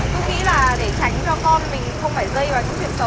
tôi nghĩ là để tránh cho con mình không phải dây vào những điểm xấu